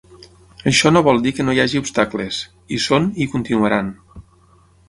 Això no vol dir que no hi hagi obstacles; hi són i continuaran.